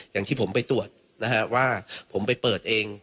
อย่างที่ผมไปตรวจนะฮะว่าผมไปเปิดเอง